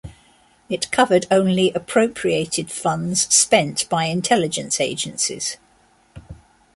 It covered only appropriated funds spent by intelligence agencies.